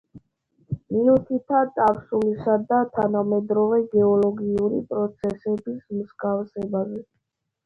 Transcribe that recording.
მიუთითა წარსულისა და თანამედროვე გეოლოგიური პროცესების მსგავსებაზე.